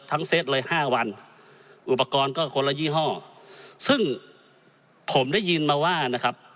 เซตเลยห้าวันอุปกรณ์ก็คนละยี่ห้อซึ่งผมได้ยินมาว่านะครับ